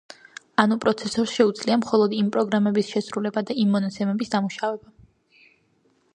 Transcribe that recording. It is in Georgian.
ანუ პროცესორს შეუძლია მხოლოდ იმ პროგრამების შესრულება და იმ მონაცემების დამუშავება.